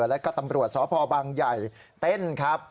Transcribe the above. แล้วก็ตำรวจสพบังใหญ่เต้นครับ